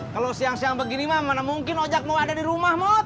kalo siang siang begini mah mana mungkin ojek mau ada di rumah mod